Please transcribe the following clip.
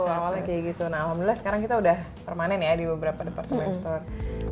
awal awalnya kayak gitu nah alhamdulillah sekarang kita udah permanen ya di beberapa departemen store